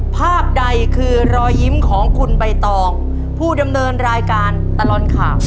ภาพใดคือรอยยิ้มของคุณใบตองผู้ดำเนินรายการตลอดข่าว